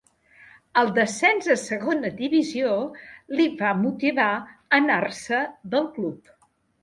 El descens a Segona Divisió li va motivar a anar-se del club.